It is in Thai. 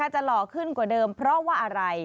หล่อขึ้นกว่าเดิมเพราะว่าอะไร